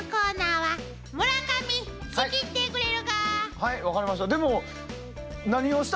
はい分かりました。